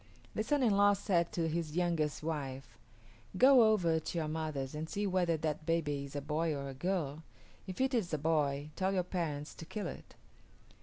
The son in law said to his youngest wife, "Go over to your mother's and see whether that baby is a boy or a girl. If it is a boy, tell your parents to kill it."